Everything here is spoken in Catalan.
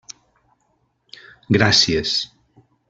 Gràcies!